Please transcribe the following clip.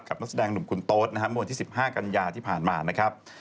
กับนักแสดงหนุ่มคุณโต๊ธนะครับบวชที่๑๕กันยาที่ผ่านมานะครับ